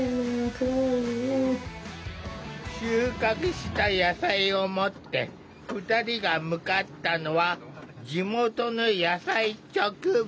収穫した野菜を持って２人が向かったのは地元の野菜直売所。